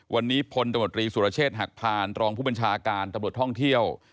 วันนี้พลตมตรีสุรเชษฐ์หักพานรองผู้บัญชาการตำรวจท่องเที่ยว